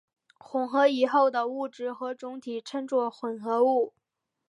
混合以后的物质的总体称作混合物。